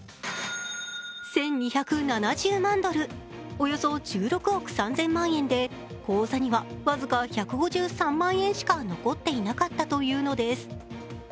１２７０万ドル、およそ１６億３０００万円で口座には僅か１５３万円しか残っていなかったというのです。